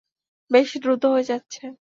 বেশি দ্রুত হয়ে যাচ্ছে।